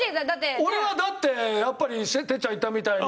俺はだってやっぱり哲ちゃん言ったみたいに。